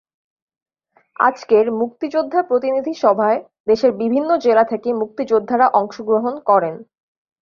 আজকের মুক্তিযোদ্ধা প্রতিনিধি সভায় দেশের বিভিন্ন জেলা থেকে মুক্তিযোদ্ধারা অংশগ্রহণ করেন।